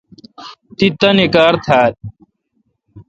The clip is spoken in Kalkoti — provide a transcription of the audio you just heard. دی تانی کار تھان۔